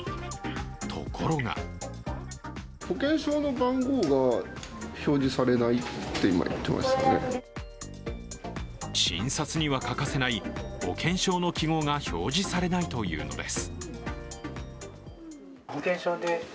ところが診察には欠かせない保険証の記号が表示されないというのです。